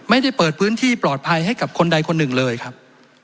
ไม่ได้เปิดพื้นที่ปลอดภัยให้กับคนใดคนหนึ่งเลยครับ